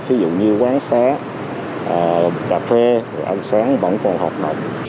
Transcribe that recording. ví dụ như quán xá cà phê ăn sáng vẫn còn hợp nội